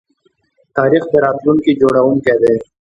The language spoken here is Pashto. تاریخ د راتلونکي جوړونکی دی.